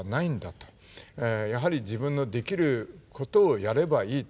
やはり自分のできることをやればいい。